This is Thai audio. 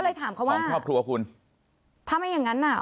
ถามเขาว่าของครอบครัวคุณถ้าไม่อย่างงั้นอ่ะ